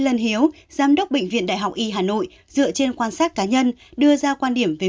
lân hiếu giám đốc bệnh viện đại học y hà nội dựa trên quan sát cá nhân đưa ra quan điểm về